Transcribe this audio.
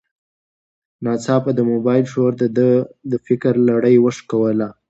ناڅاپه د موبایل شور د ده د فکر لړۍ وشکوله.